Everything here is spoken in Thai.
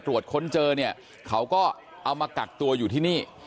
ตรวจค้นเจอเนี่ยเขาก็เอามากักตัวอยู่ที่นี่